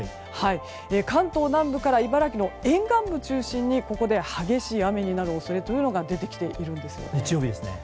関東南部から茨城の沿岸部を中心にここで激しい雨になる恐れが出てきているんです。